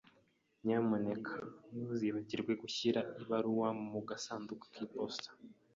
Nyamuneka ntuzibagirwe gushyira ibaruwa mu gasanduku k'iposita.